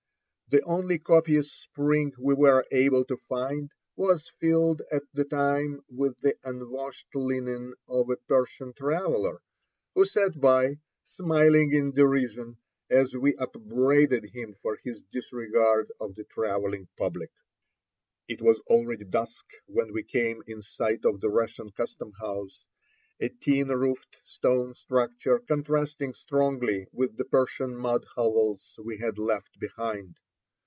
The only copious spring we were able to find was filled at the time with the unwashed linen of a Persian traveler, who sat by, smiling in derision, as we upbraided him for his disregard of the traveling public. AN INTERVIEW WITH GENERAL KUROPATKINE AT THE RACES NEAR ASKABAD. in 101 It was already dusk when we came in sight of the Russian custom house, a tin roofed, stone structure, contrasting strongly with the Persian mud hovels we had left behind.